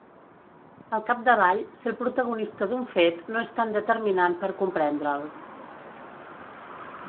Al capdavall, ser el protagonista d'un fet no és tan determinant per comprendre'l.